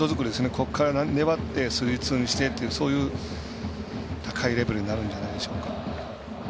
ここから粘ってスリーツーにしてというそういう高いレベルになるんじゃないでしょうか。